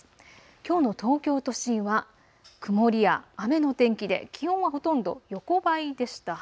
きょうの東京都心は曇りや雨の天気で気温はほとんど横ばいでした。